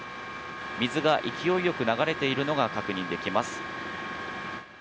水が勢いよく流れているのが確認できます。